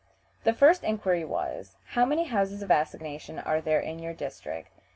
The first inquiry was, "How many houses of assignation are there in your district?"